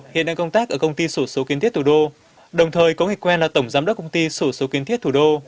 hiện đang công tác ở công ty sổ số kiến thiết thủ đô đồng thời có nghịch quen là tổng giám đốc công ty sổ số kiến thiết thủ đô